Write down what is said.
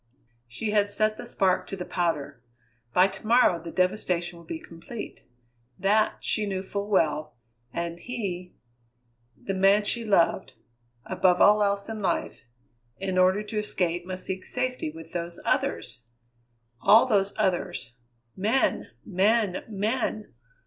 She had set the spark to the powder; by to morrow the devastation would be complete. That, she knew full well. And he the man she loved above all else in life in order to escape must seek safety with those others! All those others men! men! men!